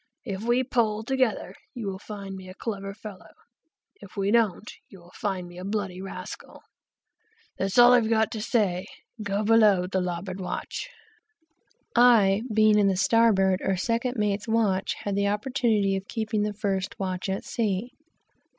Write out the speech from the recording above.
If we pull together, you'll find me a clever fellow; if we don't, you'll find me a bloody rascal. That's all I've got to say. Go below, the larboard watch!" I being in the starboard or second mate's watch, had the opportunity of keeping the first watch at sea.